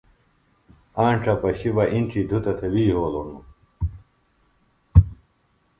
آنڇہ پشیۡ اِنڇی دھُتہ تھےۡ وی یھولوۡ ہنوۡ